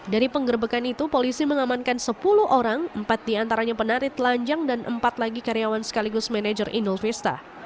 dari penggerbekan itu polisi mengamankan sepuluh orang empat diantaranya penari telanjang dan empat lagi karyawan sekaligus manajer inul vista